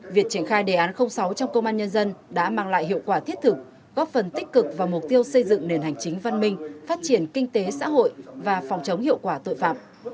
việc triển khai đề án sáu trong công an nhân dân đã mang lại hiệu quả thiết thực góp phần tích cực vào mục tiêu xây dựng nền hành chính văn minh phát triển kinh tế xã hội và phòng chống hiệu quả tội phạm